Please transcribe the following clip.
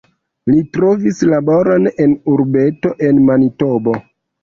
Li trovis laboron en urbeto en Manitobo.